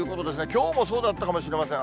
きょうもそうだったかもしれません。